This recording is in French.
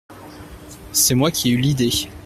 C’est moi qui ai eu l’idée…